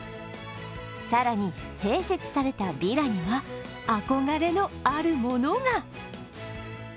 更に、併設されたヴィラには、憧れの、あるものが。